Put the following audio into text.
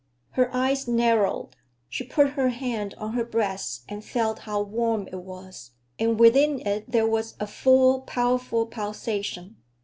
Her eyes narrowed. She put her hand on her breast and felt how warm it was; and within it there was a full, powerful pulsation.